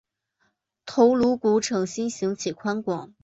头颅骨呈心型且宽广。